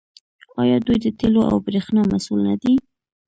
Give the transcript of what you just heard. آیا دوی د تیلو او بریښنا مسوول نه دي؟